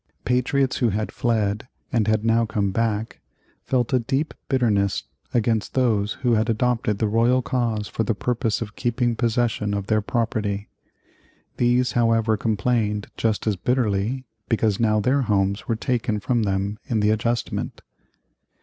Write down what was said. Patriots who had fled and had now come back felt a deep bitterness against those who had adopted the royal cause for the purpose of keeping possession of their property. These, however, complained just as bitterly because now their homes were taken from them in the adjustment.